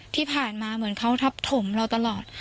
ที่ผ่านมาเหมือนเขาทับถมเราตลอด